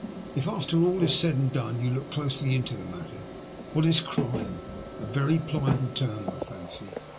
If, after all is said and done, you look closely into the matter, what is crime ? A very pliable term, I fancy.